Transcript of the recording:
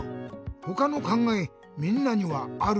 ほかのかんがえみんなにはある？